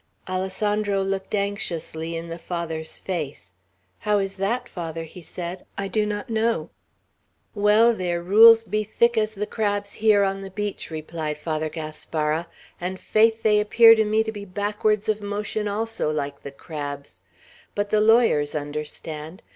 Alessandro looked anxiously in the Father's face. "How is that, Father?" he said. "I do not know." "Well, their rules be thick as the crabs here on the beach," replied Father Gaspara; "and, faith, they appear to me to be backwards of motion also, like the crabs: but the lawyers understand.